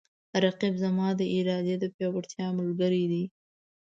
رقیب زما د ارادې د پیاوړتیا ملګری دی